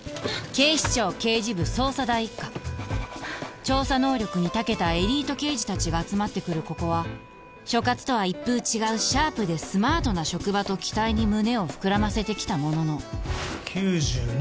警視庁刑事部捜査第一課調査能力に長けたエリート刑事達が集まってくるここは所轄とは一風違うシャープでスマートな職場と期待に胸を膨らませてきたものの９２